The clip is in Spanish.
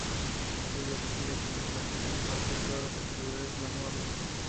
Ella requiere aprendizaje, al igual que todas las actividades manuales.